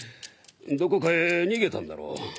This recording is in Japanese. どこかへ逃げたんだろう。